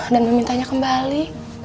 dan memintanya kembali